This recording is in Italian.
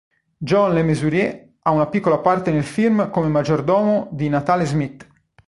John Le Mesurier ha una piccola parte nel film come maggiordomo di Natale Smith.